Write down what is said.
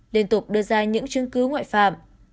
liên tục đưa ra những chứng cứ ngoại phạm